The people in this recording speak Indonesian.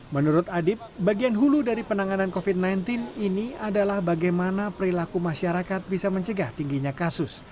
menurut adib bagian hulu dari penanganan covid sembilan belas ini adalah bagaimana perilaku masyarakat bisa mencegah tingginya kasus